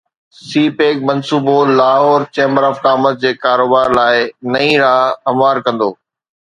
سي pack منصوبو Lahore chamber of commerce جي ڪاروبار لاءِ نئين راهه هموار ڪندو